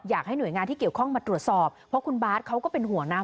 อยากให้หน่วยงานที่เกี่ยวข้องมาตรวจสอบเพราะคุณบาทเขาก็เป็นห่วงนะ